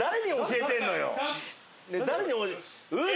えっ！